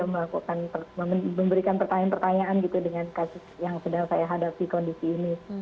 memberikan pertanyaan pertanyaan gitu dengan kasus yang sedang saya hadapi kondisi ini